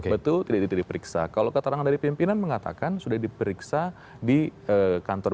betul tidak diperiksa kalau keterangan dari pimpinan mengatakan sudah diperiksa di kantor